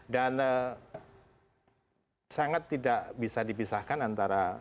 dan sangat tidak bisa dibisahkan antara